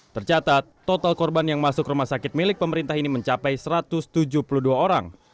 tercatat total korban yang masuk rumah sakit milik pemerintah ini mencapai satu ratus tujuh puluh dua orang